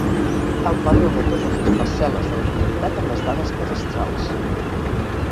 El padró de totes les parcel·les de la comunitat amb les dades cadastrals.